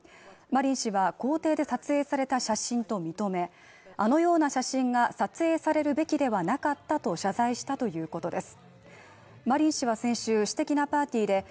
マリン氏は公邸で撮影された写真と認めあのような写真が撮影されるべきではなかったと謝罪したということです